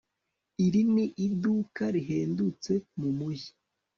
iri ni iduka rihendutse mumujyi